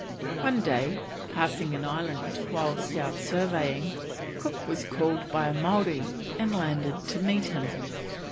One day, passing an island whilst out surveying, Cook was called by a Maori and landed to meet him.